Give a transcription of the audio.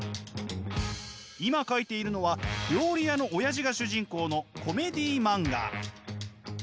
今描いているのは料理屋のオヤジが主人公のコメディー漫画。